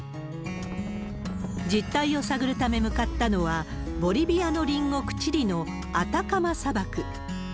実態を探るため、向かったのは、ボリビアの隣国チリのアタカマ砂漠。